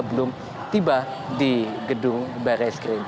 belum tiba di gedung barai skrim